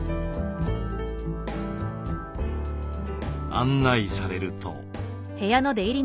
案内されると。